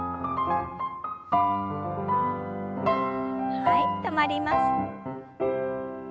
はい止まります。